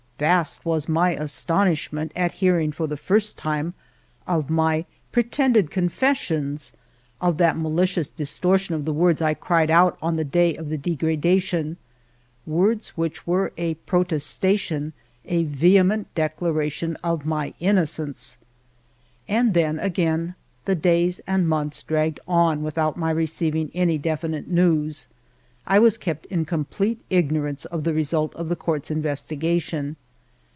Vast was my astonishment at hearing for the first time of my pretended confessions, — of that ma hcious distortion of the words I cried out on the day of the degradation, words which were a pro testation, a vehement declaration of my innocence. And then again the days and months dragged on without my receiving any definite news. I was kept in complete ignorance of the result of the Court's investigation.